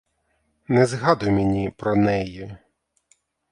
Не згадуй мені про неї!